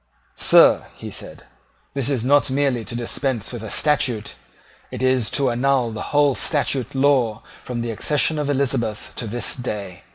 "Sir," said he, "this is not merely to dispense with a statute; it is to annul the whole statute law from the accession of Elizabeth to this day.